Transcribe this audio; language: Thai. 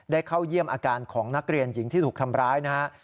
เข้าเยี่ยมอาการของนักเรียนหญิงที่ถูกทำร้ายนะฮะ